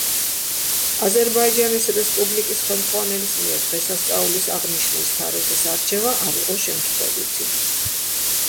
აზერბაიჯანის რესპუბლიკის ხელმძღვანელის მიერ დღესასწაულის აღნიშვნის თარიღის არჩევა არ იყო შემთხვევითი.